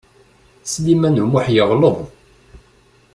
Sliman U Muḥ yeɣleḍ.